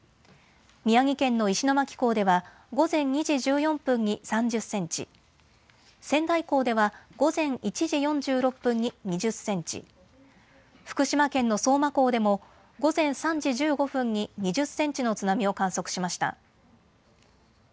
宮城県の石巻港では午前２時１４分に３０センチ、仙台港では午前１時４６分に２０センチ、福島県の相馬港でも午前３時１５分に２０センチの津波を観測しました。